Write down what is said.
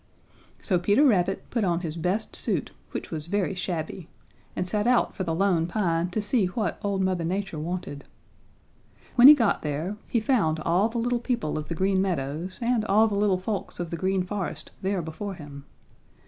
"So Peter Rabbit put on his best suit, which was very shabby, and set out for the Lone Pine to see what old Mother Nature wanted. When he got there, he found all the little people of the Green Meadows and all the little folks of the Green Forest there before him.